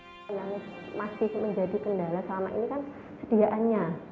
nah yang masih menjadi kendala selama ini kan sediaannya